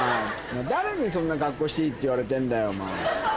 誰にそんな格好していいって言われてんだよお前。